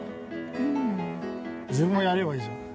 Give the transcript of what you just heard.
自分もやればいいじゃん。